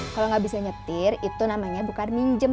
kalau nggak bisa nyetir itu namanya bukan minjem